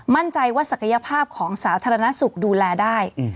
มั่นใจว่าศักยภาพของสาธารณสุขดูแลได้